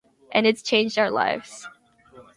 And it's changed our lives.